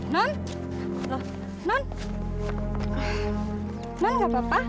nanti aku akan datang